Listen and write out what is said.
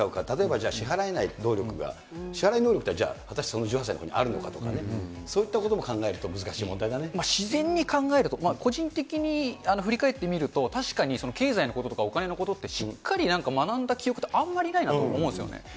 例えばじゃあ支払えない能力が、支払い能力ってじゃあ、果たしてその１８歳の子にあるのかとかね、そういったことも考えると難しい自然に考えると、個人的に振り返ってみると、確かに経済のこととか、お金のことってしっかり学んだ記憶って、あんまりないなと思うんですよね。